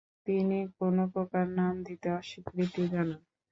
তিনি কোন প্রকার নাম দিতে অস্বীকৃতি জানান।